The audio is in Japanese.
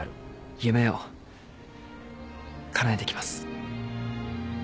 夢をかなえてきます。